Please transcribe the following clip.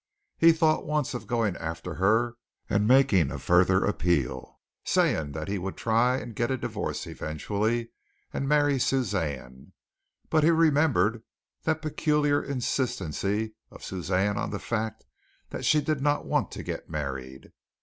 He thought once of going after her and making a further appeal, saying that he would try and get a divorce eventually and marry Suzanne, but he remembered that peculiar insistency of Suzanne on the fact that she did not want to get married.